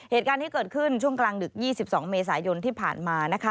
เหตุการณ์ที่เกิดขึ้นช่วงกลางดึก๒๒เมษายนที่ผ่านมานะคะ